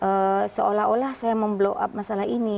membuat seolah olah saya memblokir masalah ini